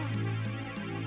oh itu orangnya